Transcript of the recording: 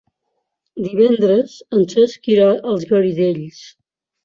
Divendres en Cesc irà als Garidells.